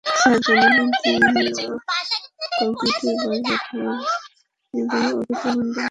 Sir জানালেন, তিনিও কংক্রিটে বাঁশ ব্যবহার নিয়ে বহু আগে প্রবন্ধ লিখেছিলেন।